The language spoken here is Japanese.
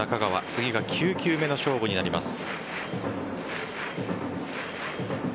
次が９球目の勝負になります。